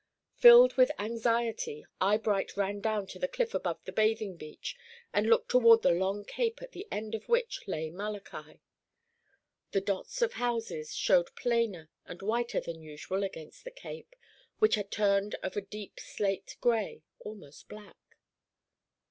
Filled with anxiety, Eyebright ran down to the cliff above the bathing beach and looked toward the long cape at the end of which lay Malachi. The dots of houses showed plainer and whiter than usual against the cape, which had turned of a deep slate gray, almost black.